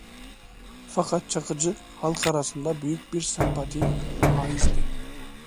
Fakat Çakıcı halk arasında büyük bir sempatiyi hâizdi.